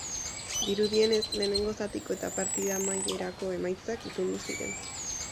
Dirudienez, lehenengo zatiko eta partida amaierako emaitzak itundu ziren.